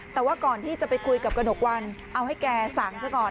แต่ว่าก่อนที่จะไปคุยกับกระหนกวันเอาให้แกสั่งซะก่อน